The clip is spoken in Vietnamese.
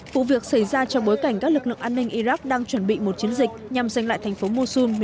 vụ việc xảy ra trong bối cảnh các lực lượng an ninh iraq đang chuẩn bị một chiến dịch nhằm giành lại thành phố mussol